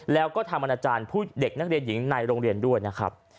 แล้วก็ทำอนาจารย์ผู้เด็กนักเรียนหญิงในโรงเรียนด้วยนะครับ